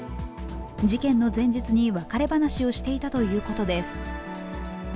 事件の前日に別れ話をしていたということです。